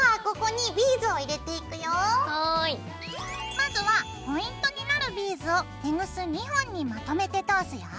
まずはポイントになるビーズをテグス２本にまとめて通すよ。